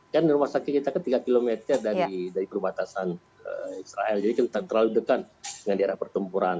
kan rumah sakit kita kan tiga km dari perbatasan israel jadi kita terlalu dekat dengan daerah pertempuran